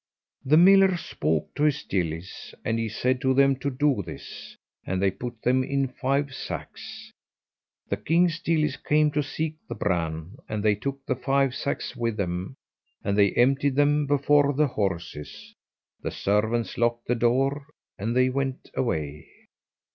The miller spoke to his gillies, and he said to them to do this, and they put them in five sacks. The king's gillies came to seek the bran, and they took the five sacks with them, and they emptied them before the horses. The servants locked the door, and they went away.